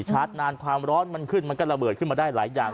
ชาร์จนานความร้อนมันขึ้นมันก็ระเบิดขึ้นมาได้หลายอย่าง